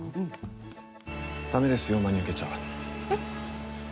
駄目ですよ、真に受けちゃ。